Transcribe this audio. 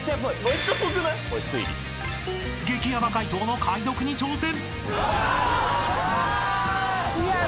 ［激ヤバ解答の解読に挑戦！］